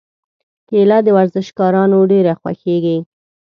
کېله د ورزشکارانو ډېره خوښېږي.